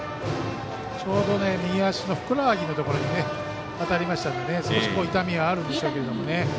ちょうど右足のふくらはぎのところに当たりましたので少し痛みはあるでしょうけども。